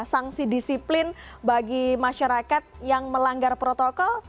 sanksi disiplin bagi masyarakat yang melanggar protokol